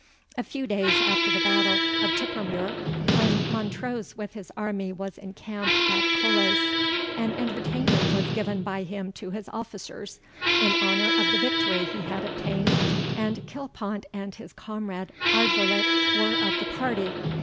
"A few days after the battle of Tippermuir, when Montrose with his army was encamped at Collace, an entertainment was given by him to his officers, in honour of the victory he had obtained, and Kilpont and his comrade Ardvoirlich were of the party.